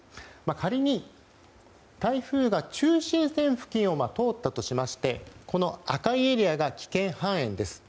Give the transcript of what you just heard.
仮に、台風が中心円付近を通ったとして赤いエリアが危険半円です。